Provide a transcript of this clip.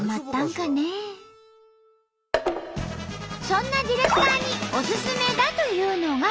そんなディレクターにおすすめだというのが。